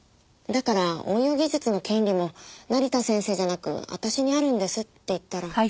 だから応用技術の権利も成田先生じゃなく私にあるんですって言ったら。